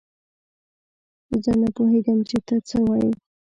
زه نه پوهېږم چې تۀ څۀ وايي.